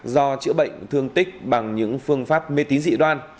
do chữa bệnh thương tích bằng những phương pháp mê tín dị đoan